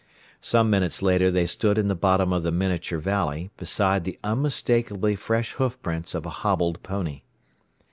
Some minutes later they stood in the bottom of the miniature valley, beside the unmistakably fresh hoofprints of a hobbled pony.